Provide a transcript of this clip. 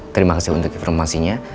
terima kasih untuk informasinya